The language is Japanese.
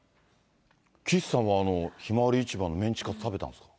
岸さんは、あのひまわり市場のメンチカツ、食べたんですか？